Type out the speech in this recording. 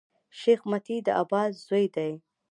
شېخ متي د عباس زوی دﺉ.